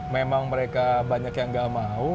memang mereka banyak yang gak mau